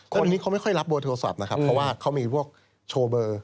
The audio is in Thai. คนนี้เขาไม่ค่อยรับเบอร์โทรศัพท์นะครับเพราะว่าเขามีพวกโชว์เบอร์